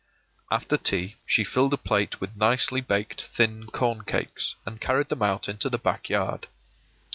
After tea she filled a plate with nicely baked thin corn cakes, and carried them out into the back yard.